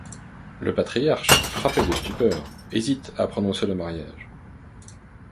Le patriarche, frappé de stupeur, hésite à prononcer le mariage.